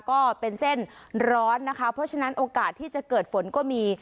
ก็เป็นเส้นร้อนนะคะเพราะฉะนั้นโอกาสที่จะเกิดฝนก็มี